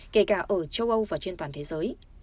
kể cả ở châu âu và trên toàn thế giới